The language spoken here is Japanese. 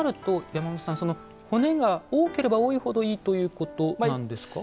骨が多ければ多いほどいいということなんですか？